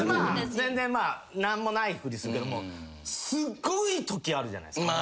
全然まあ何もないふりするけどもすごいときあるじゃないですか。